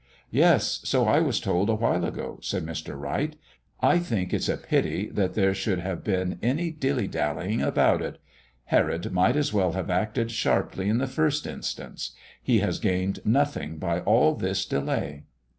"Yes; so I was told awhile ago," said Mr. Wright. "I think it's a pity that there should have been any dilly dallying about it. Herod might as well have acted sharply in the first instance. He has gained nothing by all this delay."